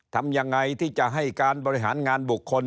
ทำยังไงที่จะให้การบริหารงานบุคคล